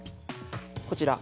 こちら。